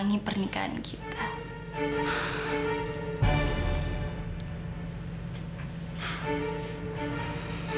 sampai sekali zina